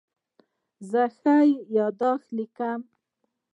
زه ښه یادښت لیکم.